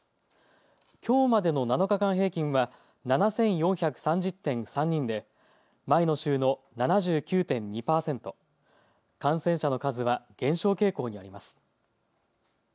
きょうまでの７日間平均は７４３０．３人で前の週の７９．２％、感染者の数は減少傾向にあります。